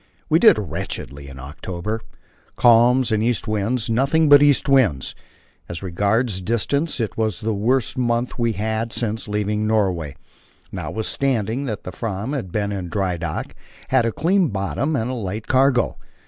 We did wretchedly in October calms and east winds, nothing but east winds; as regards distance it was the worst month we had had since leaving Norway, notwithstanding that the Fram had been in dry dock, had a clean bottom and a light cargo.